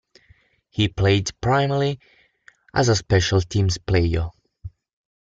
He played primarily as a special teams player.